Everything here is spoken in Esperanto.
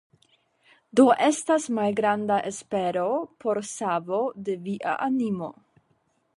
Do estas malgranda espero por savo de via animo.